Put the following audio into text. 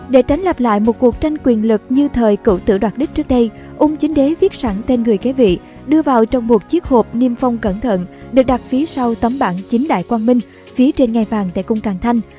để tránh lặp lại một cuộc tranh quyền lực như thời cựu tử đoạt đích trước đây ung chính đế viết sẵn tên người kế vị đưa vào trong một chiếc hộp niêm phong cẩn thận được đặt phía sau tấm bảng chính đại quang minh phía trên ngài vàng tại cung càng thanh